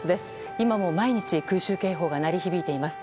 今も毎日空襲警報が鳴り響いています。